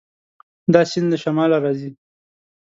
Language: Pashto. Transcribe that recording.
دا سیند له شماله راځي.